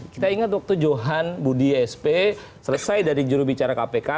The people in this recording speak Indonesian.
kita ingat waktu johan budi sp selesai dari jurubicara kpk